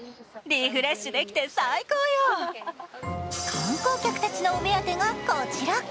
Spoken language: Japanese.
観光客たちのお目当てがこちら。